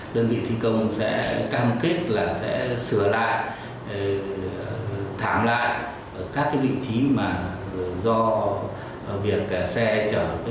đơn vị thi công sẽ cam kết sửa lại thảm lại các vị trí do việc xe chở